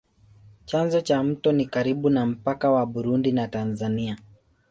Chanzo cha mto ni karibu na mpaka wa Burundi na Tanzania.